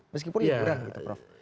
meskipun ya kurang gitu prof